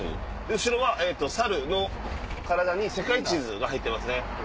後ろは猿の体に世界地図が入ってますね。